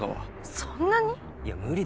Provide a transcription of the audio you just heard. そんなに⁉いや無理だろう。